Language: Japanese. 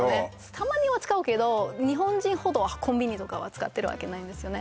たまには使うけど日本人ほど「コンビニ」とかは使ってるわけないんですよね